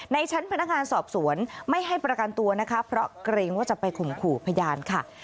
ในชั้นพนักงานสอบสวนไม่ให้ประกันตัวนะคะเพราะเกรงว่าจะไปข่มขู่พยานค่ะ